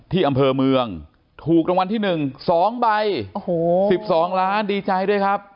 ที่อำเภอเมืองถูกรางวัลที่๑๒ใบโอ้โห๑๒ล้านดีใจด้วยครับ